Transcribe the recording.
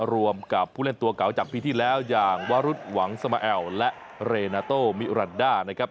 รวมกับผู้เล่นตัวเก่าจากปีที่แล้วอย่างวรุษหวังสมาแอลและเรนาโตมิรันดานะครับ